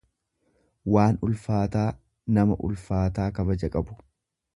waan ulfaataa, nama ulfaataa kabaja qabu.